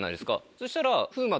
そしたら。